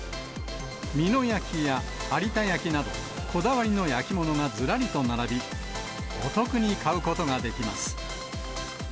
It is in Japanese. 美濃焼や有田焼など、こだわりの焼き物がずらりと並び、お得に買うことができます。